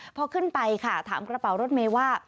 พอขึ้นไปค่ะถามกระเป๋ารถเมย์ว่า